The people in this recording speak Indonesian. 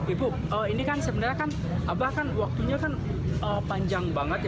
ibu ini kan sebenarnya abah waktunya kan panjang banget ya